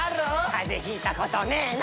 風邪ひいたことねえな。